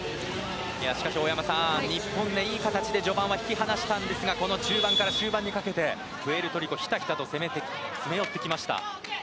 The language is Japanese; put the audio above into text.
しかし、大山さん日本はいい形で序盤は引き離したんですがこの中盤から終盤にかけてプエルトリコ、ひたひたと詰め寄ってきました。